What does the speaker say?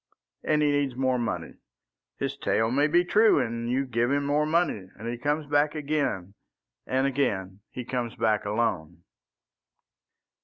And he needs more money. His tale may be true, and you give him more money; and he comes back again, and again he comes back alone."